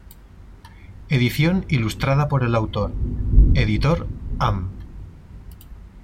Edición ilustrada por el autor, editor Am.